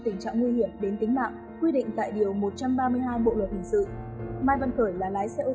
tình trạng nguy hiểm đến tính mạng quy định tại điều một trăm ba mươi hai bộ luật hình sự mai văn khởi là lái xe ô